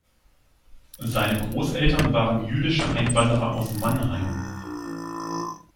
Seine Großeltern waren jüdische Einwanderer aus Mannheim.